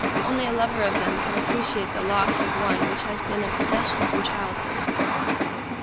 Only a lover of them can appreciate the loss of one which has been a possession from childhood.